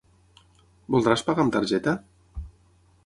Voldràs pagar amb targeta?